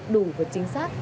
đủ và chính xác